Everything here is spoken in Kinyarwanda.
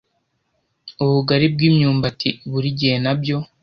ubugari bw' imyumbati buri gihe nabyo